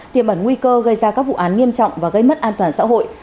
tiềm ẩn nguy cơ gây ra các vụ án nghiêm trọng và gây mất an toàn xã hội